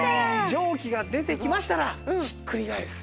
蒸気が出てきましたらひっくり返す。